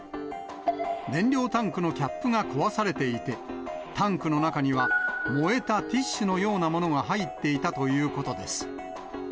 燃料タンクのキャップが壊されていて、タンクの中には燃えたティッシュのようなものが入っていたということです。